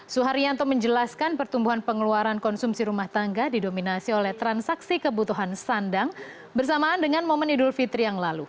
suharyanto menjelaskan pertumbuhan pengeluaran konsumsi rumah tangga didominasi oleh transaksi kebutuhan sandang bersamaan dengan momen idul fitri yang lalu